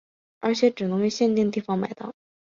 而且只能在限定地方买到。